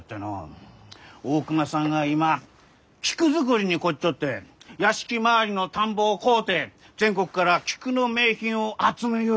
大隈さんが今菊作りに凝っちょって屋敷周りの田んぼを買うて全国から菊の名品を集めゆうがやき。